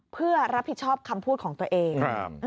เพื่อรับผิดชอบคำพูดของตัวเอง